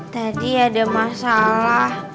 tadi ada masalah